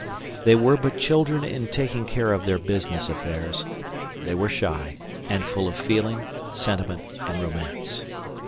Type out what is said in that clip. They were but children in taking care of their business affairs; they were shy, and full of feeling, sentiment, and romance.